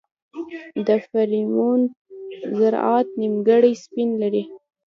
د فرمیون ذرات نیمګړي سپین لري.